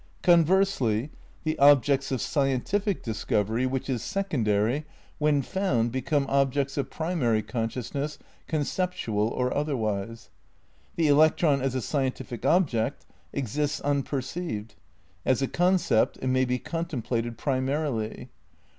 Conversely, the objects of scientific discovery which X RECONSTRUCTION OF IDEALISM 293 is secondary, when found, become objects of primaiy consciousness, conceptual or otherwise. The electron as a scientific object exists unperceived; as a concept it may be contemplated primarily.